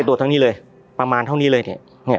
ตัวทั้งนี้เลยประมาณเท่านี้เลยเนี่ย